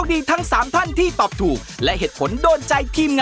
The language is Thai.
ติดตามได้ทุกวันเสสตร์๑๑น๓๐นาที